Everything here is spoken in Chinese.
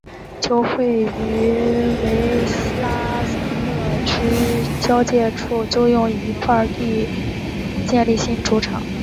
球会于维拉勒若区交界处租用一块土地建立新主场。